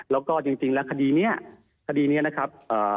แล้วก็จริงแล้วคดีนี้คดีนี้นะครับ